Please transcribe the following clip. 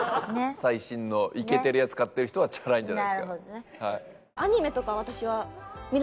最新のイケてるやつ買ってる人はチャラいんじゃないですか？